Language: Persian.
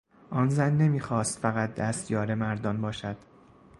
آن زن نمیخواست فقط دستیار مردان باشد.